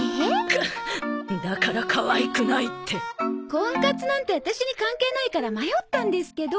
コンカツなんてワタシに関係ないから迷ったんですけど